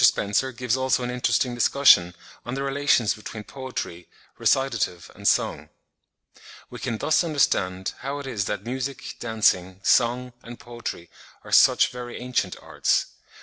Spencer gives also an interesting discussion on the relations between poetry, recitative and song.) We can thus understand how it is that music, dancing, song, and poetry are such very ancient arts.